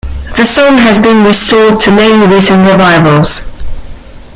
The song has been restored to many recent revivals.